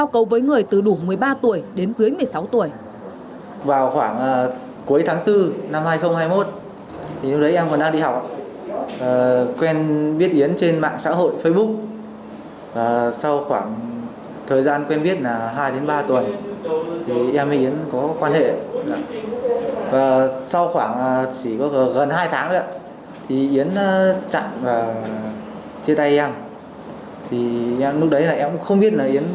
cô với người từ đủ một mươi ba tuổi đến dưới một mươi sáu tuổi